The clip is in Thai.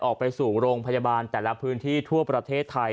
ออกไปสู่โรงพยาบาลแต่ละพื้นที่ทั่วประเทศไทย